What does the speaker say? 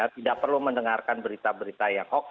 tidak perlu mendengarkan berita berita yang hoax